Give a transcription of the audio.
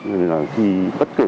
nên là khi bất kể